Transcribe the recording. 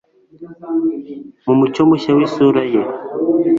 mu mucyo mushya w'isura ye